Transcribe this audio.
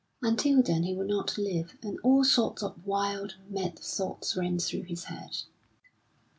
Until then he would not live; and all sorts of wild, mad thoughts ran through his head.